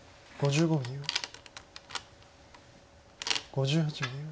５８秒。